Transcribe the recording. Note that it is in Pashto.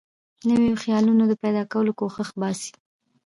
نویو خیالونو د پیدا کولو کوښښ باسي.